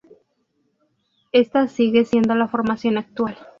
Esta sigue siendo la formación actual.